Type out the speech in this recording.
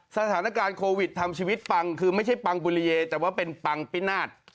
สถานการณ์โควิดทำชีวิตปังคือไม่ใช่ปังบุรีเยแต่ว่าเป็นปังปินาศ